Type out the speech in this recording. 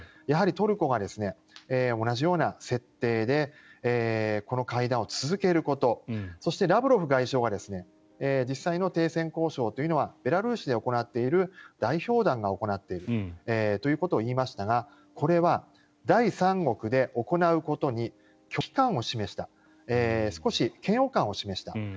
やはりトルコが同じような設定でこの会談を続けることそして、ラブロフ外相が実際の停戦交渉というのはベラルーシで行っている代表団が行っているということを言いましたがこれは第三国で行うことに拒否感を示した少し嫌悪感を示した。